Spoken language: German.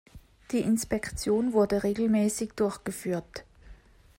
Die Inspektion wurde regelmäßig durchgeführt.